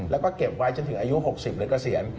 แล้วก็เก็บไว้จนถึงอายุ๖๐หรือเกษียณ